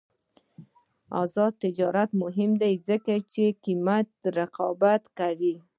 آزاد تجارت مهم دی ځکه چې قیمت رقابت کوي.